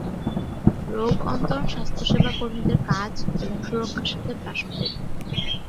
রোগ-অন্তরণ স্বাস্থ্যসেবা কর্মীদের কাজ এবং সুরক্ষার সাথে প্রাসঙ্গিক।